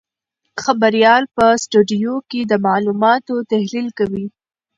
خبریال په سټوډیو کې د معلوماتو تحلیل کوي.